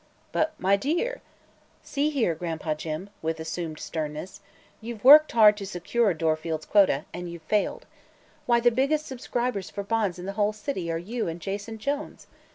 "But my dear!" "See here, Gran'pa Jim," with assumed sternness, "you've worked hard to secure Dorfield's quota, and you've failed. Why, the biggest subscribers for bonds in the whole city are you and Jason Jones!